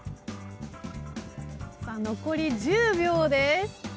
残り１０秒です。